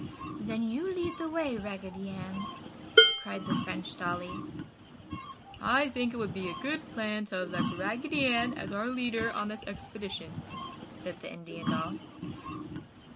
"Then you lead the way, Raggedy Ann!" cried the French dolly. "I think it would be a good plan to elect Raggedy Ann as our leader on this expedition!" said the Indian doll.